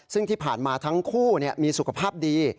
ซึ่งที่ผ่านมาทั้งคู่มีสุขภาพดี